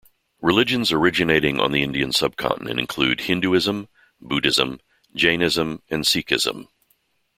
Religions originating on the Indian subcontinent include Hinduism, Buddhism, Jainism, and Sikhism.